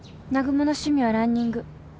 南雲の趣味はランニング。